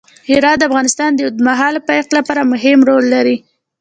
هرات د افغانستان د اوږدمهاله پایښت لپاره مهم رول لري.